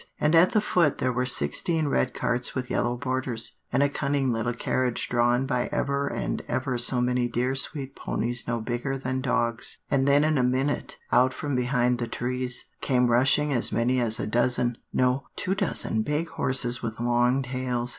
And at the foot there were sixteen red carts with yellow borders, and a cunning little carriage drawn by ever and ever so many dear sweet ponies no bigger than dogs, and then in a minute, out from behind the trees, came rushing as many as a dozen, no, two dozen big horses with long tails.